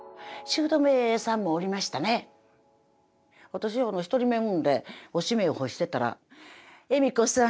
私１人目産んでおしめを干してたら「恵美子さん！